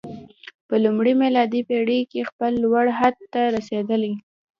په لومړۍ میلادي پېړۍ کې خپل لوړ حد ته رسېدلی.